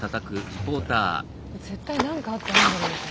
絶対何かあったんだろうと。